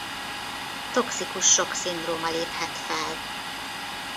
Toxikus sokk szindróma léphet fel.